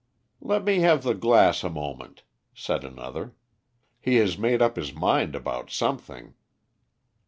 "Let me have the glass a moment," said another. "He has made up his mind about something."